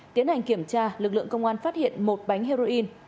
tiến hành kiểm tra lực lượng công an phát hiện một bánh heroin